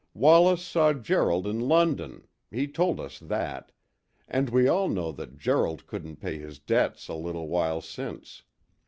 Wallace saw Gerald in London he told us that and we all know that Gerald couldn't pay his debts a little while since.